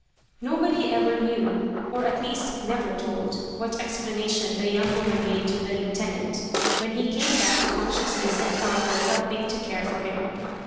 Nobody ever knew or at least never told what explanation the young woman made to the Lieutenant, when he came back to consciousness and found her helping to care for him.